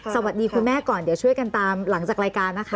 สวัสดีคุณแม่ก่อนเดี๋ยวช่วยกันตามหลังจากรายการนะคะ